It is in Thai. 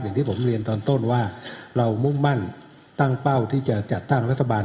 อย่างที่ผมเรียนตอนต้นว่าเรามุ่งมั่นตั้งเป้าที่จะจัดตั้งรัฐบาล